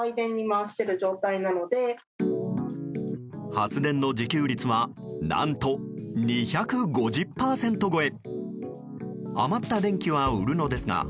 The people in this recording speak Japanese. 発電の自給率は何と２５０％超え。